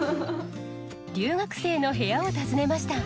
留学生の部屋を訪ねました。